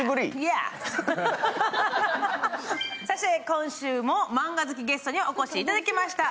今週もマンガ好きゲストにお越しいただきました。